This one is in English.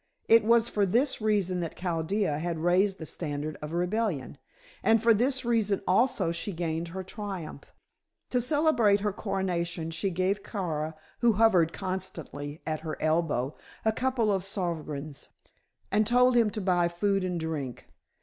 It was for this reason that Chaldea had raised the standard of rebellion, and for this reason also she gained her triumph. To celebrate her coronation she gave Kara, who hovered constantly at her elbow, a couple of sovereigns, and told him to buy food and drink.